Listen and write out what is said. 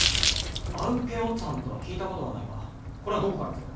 「ａｗｋｅｏｔｓａｎｇ」とは聞いたことがないがこれはどこから付けた？